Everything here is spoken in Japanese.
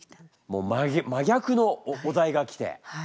もう真逆のお題が来て。